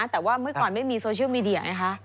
แต่ว่าเมื่อก่อนไม่มีโซเชียลมีเดียไงคะ